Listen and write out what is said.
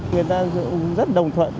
người ta cũng rất đồng thuận